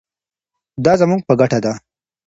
دا زموږ په ګټه ده.